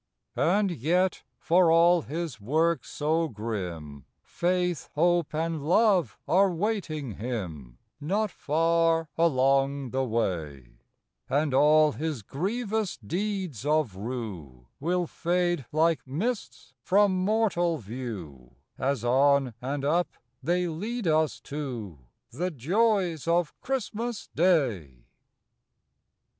And yet, for all his work so grim, Faith, Hope, and Love are waiting him Not far along the way, And all his grievous deeds of rue Will fade like mists from mortal view As on and up they lead us to The joys of Christmas Day.